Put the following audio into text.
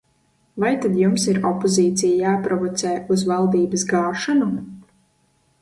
Vai tad jums ir opozīcija jāprovocē uz valdības gāšanu?